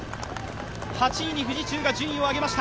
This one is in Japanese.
８位に富士通が順位を上げました。